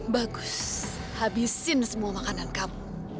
bagus habisin semua makanan kamu